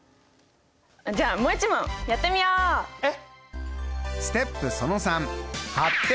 じゃあもう一問やってみよう！え！？